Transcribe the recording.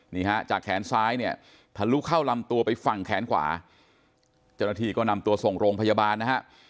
นี่ฮะจากแขนซ้ายเนี่ยทะลุเข้าลำตัวไปฝั่งแขนขวาเจ้าหน้าที่ก็นำตัวส่งโรงพยาบาลนะฮะ